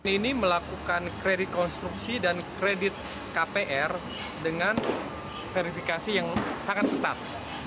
ini melakukan kredit konstruksi dan kredit kpr dengan verifikasi yang sangat ketat